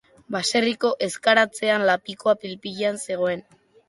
baserriko ezkaratzean lapikoa pil-pilean zegoen